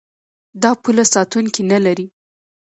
دا پوله ساتونکي نلري.